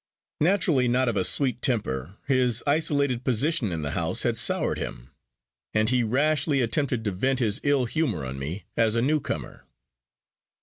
Naturally not of a sweet temper, his isolated position in the house had soured him, and he rashly attempted to vent his ill humor on me, as a newcomer.